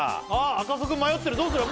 赤楚くん迷ってるどうする？